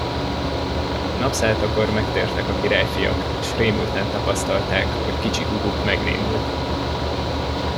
Napszálltakor megtértek a királyfiak, s rémülten tapasztalták, hogy kicsi húguk megnémult.